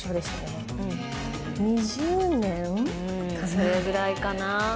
それぐらいかな。